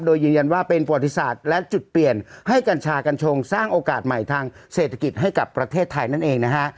โดยยืนยันว่าเป็นประวัติศาสตร์และจุดเปลี่ยนให้กัญชากัญชงสร้างโอกาสใหม่ทางเศรษฐกิจให้กับประเทศไทยนั่นเองนะฮะ